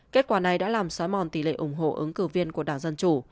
kết quả này đã làm xói mòn tỷ lệ ủng hộ ứng cử viên của đảng dân chủ